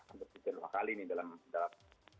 akan terjadi dua kali nih dalam dalam